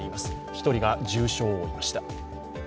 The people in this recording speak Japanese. １人が重傷を負いました。